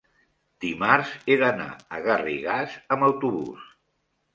dimarts he d'anar a Garrigàs amb autobús.